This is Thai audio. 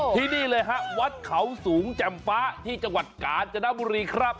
ที่นี่เลยฮะวัดเขาสูงแจ่มฟ้าที่จังหวัดกาญจนบุรีครับ